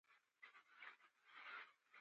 د املا تېروتنه باید اصلاح شي.